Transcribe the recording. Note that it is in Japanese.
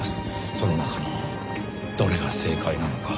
その中のどれが正解なのか。